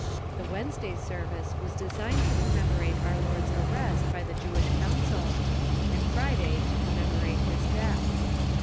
The "Wednesday service was designed to commemorate our Lord's arrest by the Jewish council, and Friday to commemorate his death.